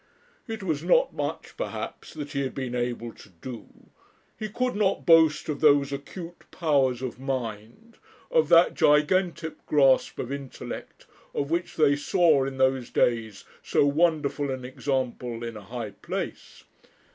It was not much, perhaps, that he had been able to do; he could not boast of those acute powers of mind, of that gigantic grasp of intellect, of which they saw in those days so wonderful an example in a high place.'